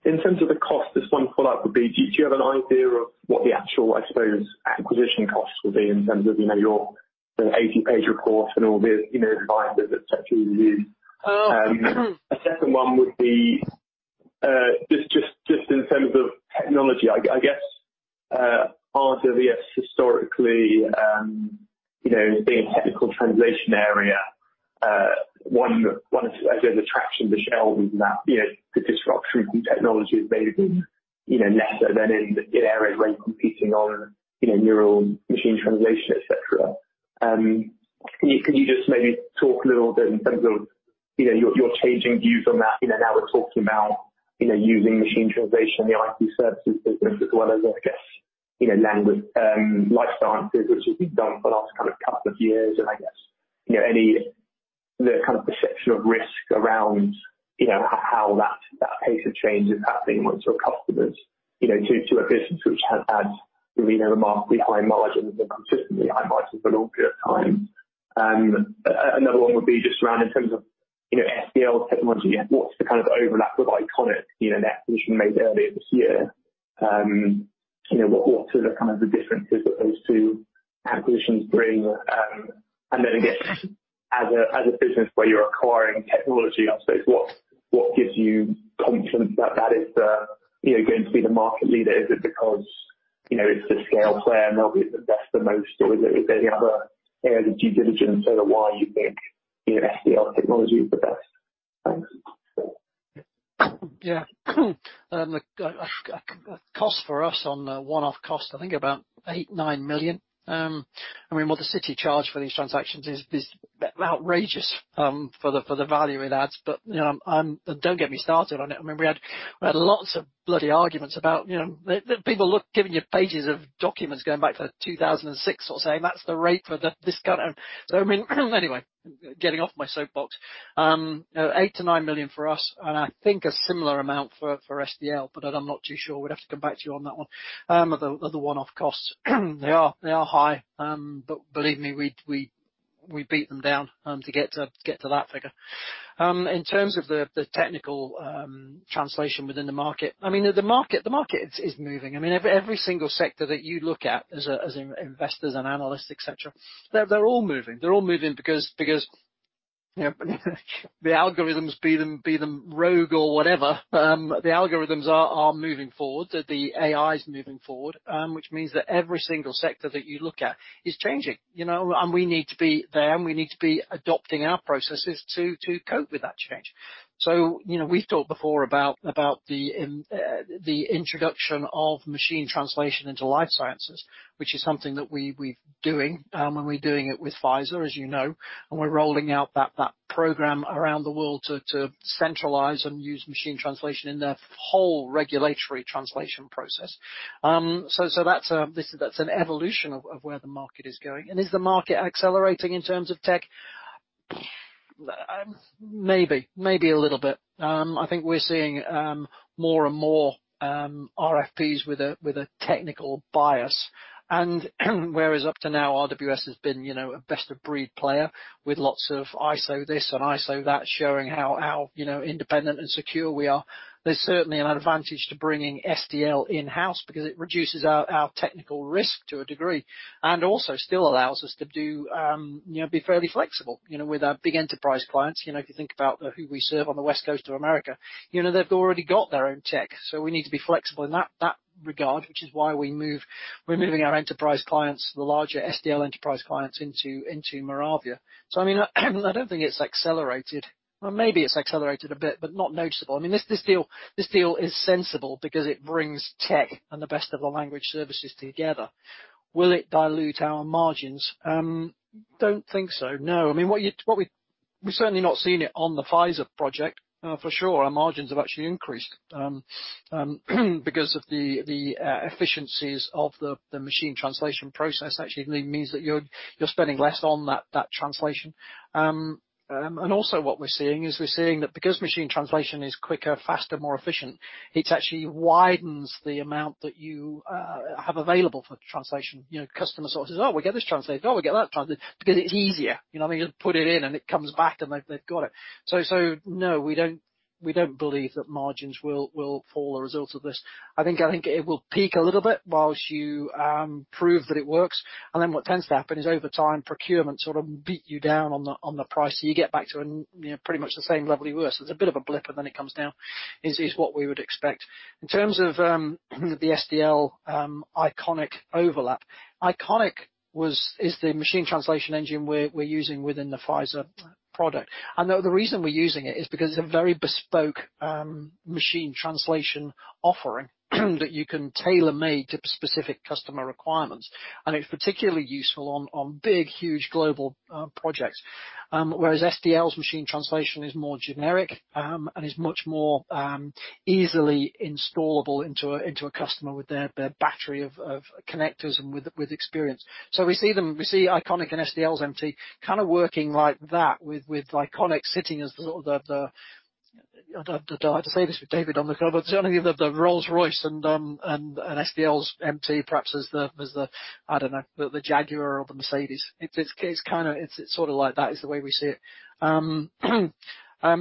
In terms of the cost, just one follow-up would be, do you have an idea of what the actual, I suppose, acquisition costs will be in terms of your 80-page report and all the etcetera you use?
Oh.
A second one would be, just in terms of technology, I guess, RWS historically, being a technical translation area, one of the attractions of the show is that the disruption from technology has maybe been lesser than in areas where you're competing on neural machine translation, et cetera. Can you just maybe talk a little bit in terms of your changing views on that? Now we're talking about using machine translation in the IT services business as well as, I guess, language life sciences, which we've done for the last couple of years, and I guess, the kind of perception of risk around how that pace of change is happening with your customers to a business which has had remarkably high margins and consistently high margins for a long period of time. Another one would be just around in terms of SDL technology, what is the kind of overlap with Iconic in the acquisition made earlier this year? What are the kind of the differences that those two acquisitions bring? Again, as a business where you are acquiring technology, I suppose, what gives you confidence that that is going to be the market leader? Is it because it is the scale player and they will be able to invest the most, or is there any other area of due diligence as to why you think SDL technology is the best? Thanks.
Yeah. Cost for us on a one-off cost, I think about 8 million, 9 million. What the city charged for these transactions is outrageous for the value it adds, but don't get me started on it. We had lots of bloody arguments about people giving you pages of documents going back to 2006 or saying, "That's the rate for the discount." Anyway, getting off my soapbox. 8 million-9 million for us, and I think a similar amount for SDL, but I'm not too sure. We'd have to come back to you on that one. The one-off costs, they are high, but believe me, we beat them down to get to that figure. In terms of the technical translation within the market, the market is moving. Every single sector that you look at as investors and analysts, et cetera, they're all moving. They're all moving because the algorithms, be them rogue or whatever, the algorithms are moving forward. The AI is moving forward, which means that every single sector that you look at is changing. We need to be there, and we need to be adopting our processes to cope with that change. We've talked before about the introduction of machine translation into life sciences, which is something that we're doing, and we're doing it with Pfizer, as you know. We're rolling out that program around the world to centralize and use machine translation in the whole regulatory translation process. That's an evolution of where the market is going. Is the market accelerating in terms of tech? Maybe. Maybe a little bit. I think we're seeing more and more RFPs with a technical bias. Whereas up to now, RWS has been a best-of-breed player with lots of ISO this and ISO that, showing how independent and secure we are. There's certainly an advantage to bringing SDL in-house because it reduces our technical risk to a degree, and also still allows us to be fairly flexible with our big enterprise clients. If you think about who we serve on the West Coast of America, they've already got their own tech. We need to be flexible in that regard, which is why we're moving our enterprise clients, the larger SDL enterprise clients, into Moravia. I don't think it's accelerated. Well, maybe it's accelerated a bit, but not noticeable. This deal is sensible because it brings tech and the best of the language services together. Will it dilute our margins? Don't think so, no. We've certainly not seen it on the Pfizer project, for sure. Our margins have actually increased because of the efficiencies of the machine translation process actually means that you're spending less on that translation. Also what we're seeing is, we're seeing that because machine translation is quicker, faster, more efficient, it actually widens the amount that you have available for translation. Customer sort of says, "Oh, we'll get this translated. Oh, we'll get that translated." Because it's easier. You just put it in and it comes back and they've got it. No, we don't believe that margins will fall a result of this. I think it will peak a little bit whilst you prove that it works, then what tends to happen is over time, procurement sort of beat you down on the price, so you get back to pretty much the same level you were. It's a bit of a blip, and then it comes down, is what we would expect. In terms of the SDL Iconic overlap. Iconic is the machine translation engine we're using within the Pfizer product. The reason we're using it is because it's a very bespoke machine translation offering that you can tailor-made to specific customer requirements. It's particularly useful on big, huge global projects. Whereas SDL's machine translation is more generic, and is much more easily installable into a customer with their battery of connectors and with experience. We see Iconic and SDL's MT kind of working like that, with Iconic sitting as the I'd say this with David on the call, but the Rolls-Royce and SDL's MT perhaps as the, I don't know, the Jaguar or the Mercedes. It's sort of like that is the way we see it. What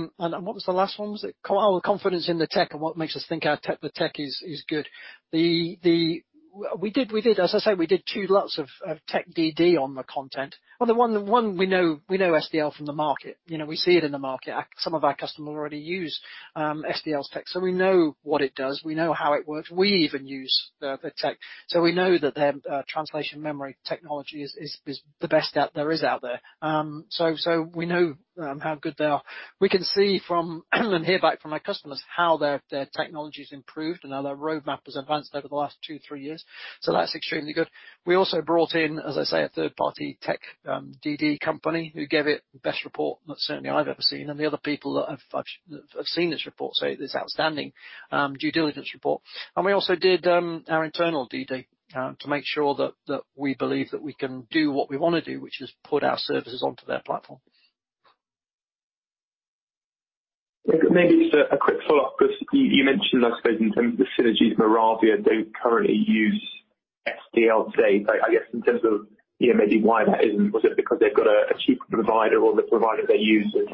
was the last one? Confidence in the tech and what makes us think the tech is good. As I say, we did two lots of tech DD on the content. One, we know SDL from the market. We see it in the market. Some of our customers already use SDL's tech, we know what it does. We know how it works. We even use the tech. We know that their translation memory technology is the best there is out there. We know how good they are. We can see from and hear back from our customers how their technology's improved and how their roadmap has advanced over the last two, three years. That's extremely good. We also brought in, as I say, a third-party Tech DD company who gave it the best report that certainly I've ever seen, and the other people that have seen this report say it is outstanding due diligence report. We also did our internal DD to make sure that we believe that we can do what we wanna do, which is put our services onto their platform.
Maybe just a quick follow-up, because you mentioned, I suppose, in terms of the synergies, Moravia, they currently use SDL today. I guess in terms of maybe why that isn't, was it because they've got a cheaper provider or the provider they use is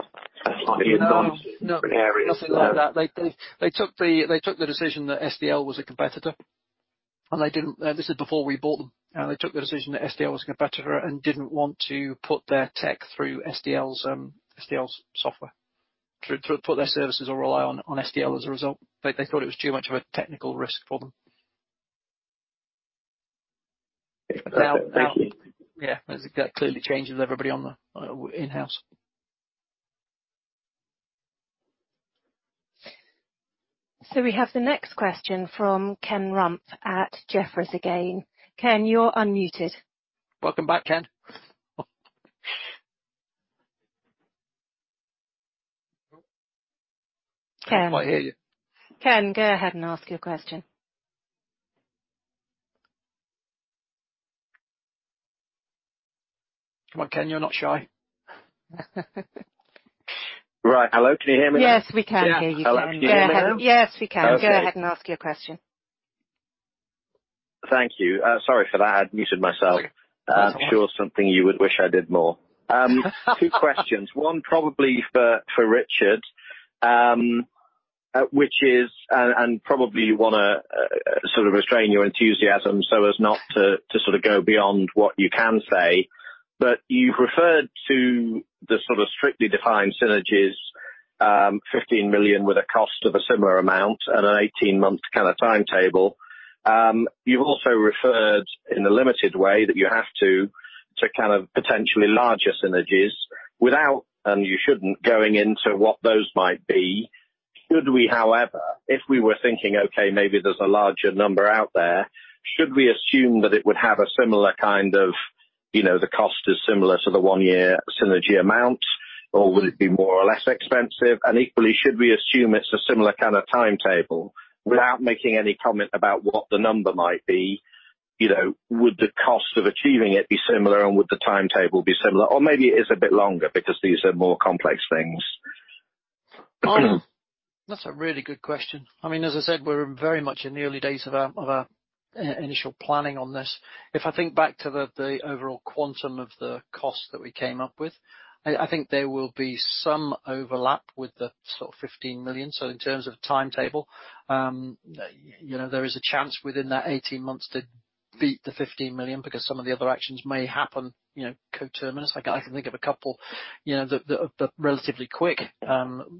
slightly advanced in different areas?
No, nothing like that. They took the decision that SDL was a competitor. This is before we bought them. They took the decision that SDL was a competitor and didn't want to put their tech through SDL's software. To put their services or rely on SDL as a result. They thought it was too much of a technical risk for them.
Okay.
Yeah, that clearly changes with everybody in-house.
We have the next question from Ken Rumph at Jefferies again. Ken, you're unmuted.
Welcome back, Ken.
Ken.
Can't quite hear you.
Ken, go ahead and ask your question.
Come on, Ken, you're not shy.
Right. Hello? Can you hear me now?
Yes, we can hear you, Ken.
Yes.
Hello. Can you hear me now?
Yes, we can.
Okay.
Go ahead and ask your question.
Thank you. Sorry for that. I'd muted myself.
It's okay.
I'm sure something you would wish I did more. Two questions. One probably for Richard. Probably you want to sort of restrain your enthusiasm so as not to sort of go beyond what you can say. You've referred to the sort of strictly defined synergies, 15 million with a cost of a similar amount and an 18-month kind of timetable. You also referred in a limited way that you have to kind of potentially larger synergies without, and you shouldn't, going into what those might be. Should we, however, if we were thinking, okay, maybe there's a larger number out there, should we assume that it would have a similar kind of, the cost is similar to the one-year synergy amount, or will it be more or less expensive? Equally, should we assume it's a similar kind of timetable without making any comment about what the number might be, would the cost of achieving it be similar and would the timetable be similar? Maybe it is a bit longer because these are more complex things.
That's a really good question. As I said, we're very much in the early days of our initial planning on this. If I think back to the overall quantum of the cost that we came up with, I think there will be some overlap with the sort of 15 million. In terms of timetable, there is a chance within that 18 months to beat the 15 million because some of the other actions may happen coterminus. I can think of a couple of the relatively quick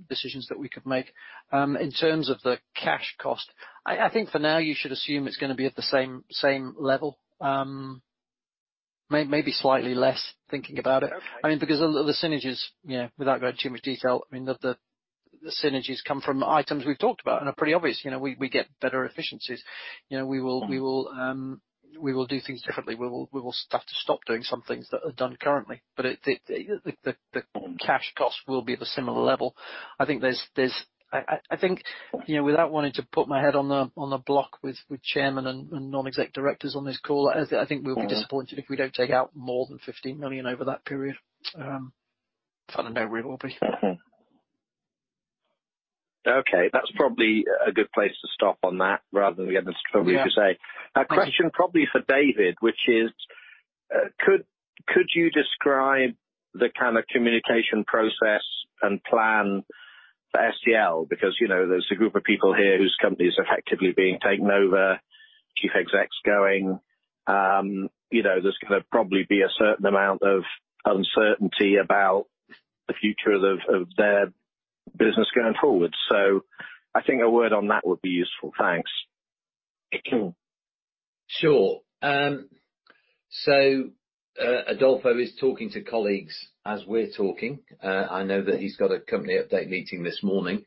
decisions that we could make. In terms of the cash cost, I think for now you should assume it's going to be at the same level. Maybe slightly less, thinking about it.
Okay.
Because the synergies, without going too much detail, the. The synergies come from items we've talked about and are pretty obvious. We get better efficiencies. We will do things differently. We will have to stop doing some things that are done currently, but the cash cost will be at a similar level. I think, without wanting to put my head on the block with chairman and non-exec directors on this call, I think we'll be disappointed if we don't take out more than 15 million over that period. I don't know we will be.
Okay. That's probably a good place to stop on that rather than we have the trouble you say.
Yeah.
A question probably for David, which is, could you describe the kind of communication process and plan for SDL? There's a group of people here whose company is effectively being taken over, Chief Exec's going. There's going to probably be a certain amount of uncertainty about the future of their business going forward. I think a word on that would be useful. Thanks.
Sure. Adolfo is talking to colleagues as we're talking. I know that he's got a company update meeting this morning.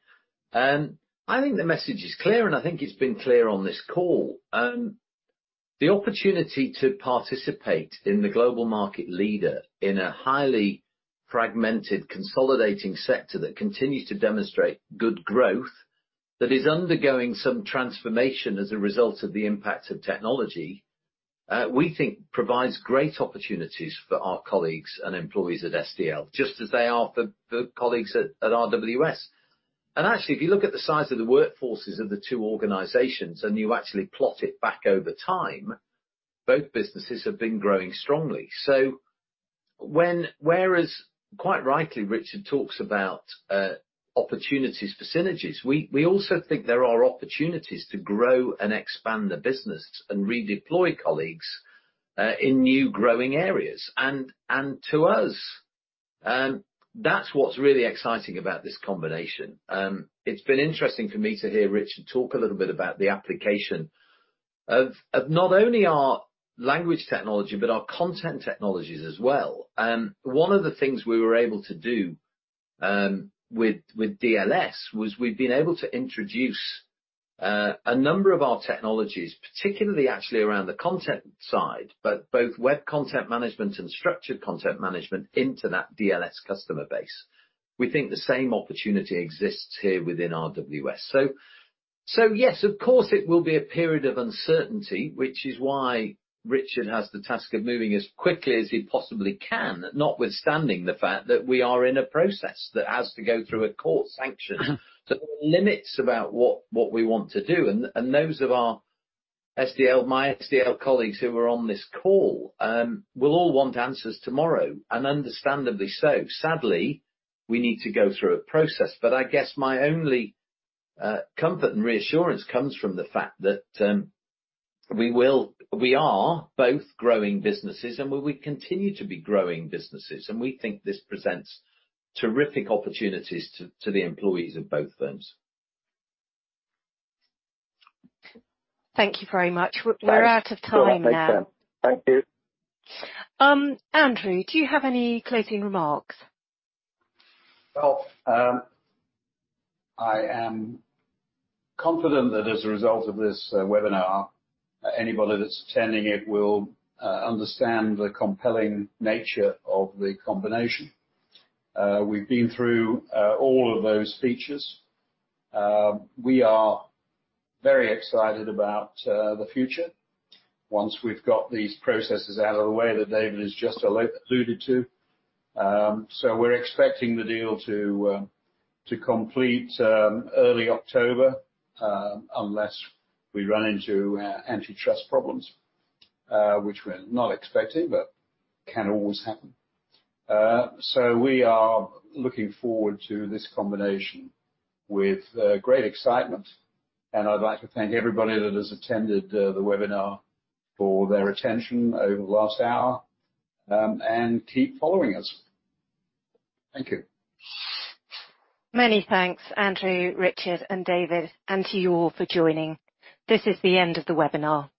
I think the message is clear, and I think it's been clear on this call. The opportunity to participate in the global market leader in a highly fragmented, consolidating sector that continues to demonstrate good growth, that is undergoing some transformation as a result of the impact of technology, we think provides great opportunities for our colleagues and employees at SDL, just as they are for colleagues at RWS. Actually, if you look at the size of the workforces of the two organizations, and you actually plot it back over time, both businesses have been growing strongly. Whereas, quite rightly, Richard talks about opportunities for synergies, we also think there are opportunities to grow and expand the business and redeploy colleagues in new growing areas. To us, that's what's really exciting about this combination. It's been interesting for me to hear Richard talk a little bit about the application of not only our language technology, but our content technologies as well. One of the things we were able to do with DLS was we've been able to introduce a number of our technologies, particularly actually around the content side, but both web content management and structured content management into that DLS customer base. We think the same opportunity exists here within RWS. Yes, of course, it will be a period of uncertainty, which is why Richard has the task of moving as quickly as he possibly can, notwithstanding the fact that we are in a process that has to go through a court sanction. There are limits about what we want to do, and those of my SDL colleagues who are on this call will all want answers tomorrow, and understandably so. Sadly, we need to go through a process. I guess my only comfort and reassurance comes from the fact that we are both growing businesses, and we will continue to be growing businesses. We think this presents terrific opportunities to the employees of both firms.
Thank you very much. We're out of time now.
Thank you.
Andrew, do you have any closing remarks?
Well, I am confident that as a result of this webinar, anybody that's attending it will understand the compelling nature of the combination. We've been through all of those features. We are very excited about the future once we've got these processes out of the way that David has just alluded to. We're expecting the deal to complete early October, unless we run into antitrust problems, which we're not expecting, but can always happen. We are looking forward to this combination with great excitement, and I'd like to thank everybody that has attended the webinar for their attention over the last hour. Keep following us. Thank you.
Many thanks, Andrew, Richard, and David, and to you all for joining. This is the end of the webinar.